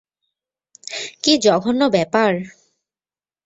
কী জঘন্য ব্যাপার!